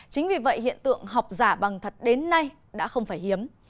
chính vì vậy hiện tượng học giả bằng thật đến nay đã không phải hiếm